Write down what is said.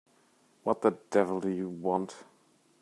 What the devil do you want?